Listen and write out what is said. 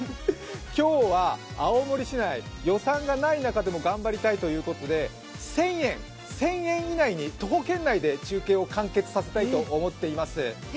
今日は青森市内、予算がない中でも頑張りたいということで１０００円以内に、徒歩圏内で中継を完結させたいと思っています。